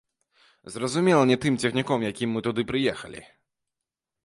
Зразумела, не тым цягніком, якім мы туды прыехалі.